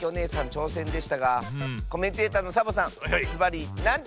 ちょうせんでしたがコメンテーターのサボさん